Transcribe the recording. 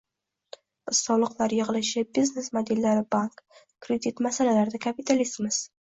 Biz soliqlar yig‘ilishi, biznes modellari, bank, kredit masalalarida kapitalistmiz